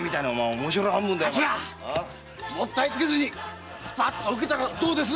頭もったいつけずにパッと受けたらどうです？